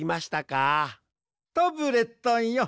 タブレットンよ